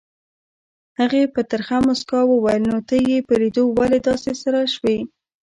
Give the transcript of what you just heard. هغې په ترخه موسکا وویل نو ته یې په لیدو ولې داسې سره شوې؟